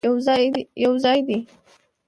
یوځای دې،